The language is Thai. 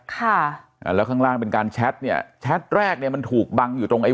ค่ะอ่าแล้วข้างล่างเป็นการแชทเนี่ยแชทแรกเนี้ยมันถูกบังอยู่ตรงไอ้